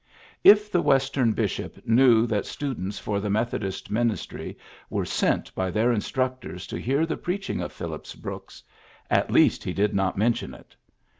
If the Western bishop knew that students for the Methodist ministry were sent by their instructors to hear the preaching of Phillips Brooks, at least he did not mention it.